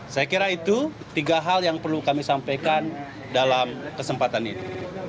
saya kira itu tiga hal yang perlu kami sampaikan dalam kesempatan ini